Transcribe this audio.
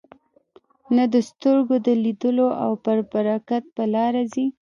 نه د سترګو د لیدلو او پر برکت په لاره ځي.